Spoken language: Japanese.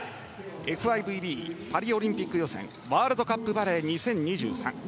ＦＩＶＢパリオリンピック予選ワールドカップバレー２０２３。